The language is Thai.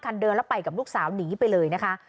เดินแล้วไปกับลูกสาวหนีไปเลยนะคะ